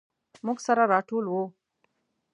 موږ سره راټول وو.